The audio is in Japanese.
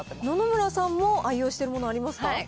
野々村さんも愛用しているものありますか？